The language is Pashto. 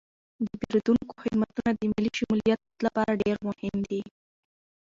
د پیرودونکو خدمتونه د مالي شمولیت لپاره ډیر مهم دي.